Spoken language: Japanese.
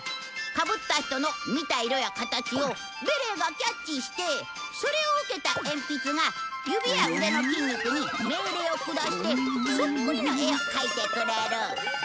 かぶった人の見た色や形をベレーがキャッチしてそれを受けた鉛筆が指や腕の筋肉に命令を下してそっくりの絵を描いてくれる。